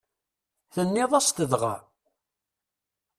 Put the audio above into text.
Tenniḍ-as-t dɣa?